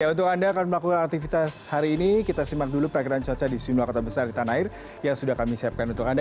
untuk anda akan melakukan aktivitas hari ini kita simak dulu perakran cuaca di sejumlah kota besar di tanah air yang sudah kami siapkan untuk anda